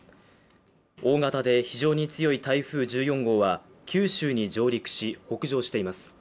大型で非常に強い台風１４号は九州に上陸し北上しています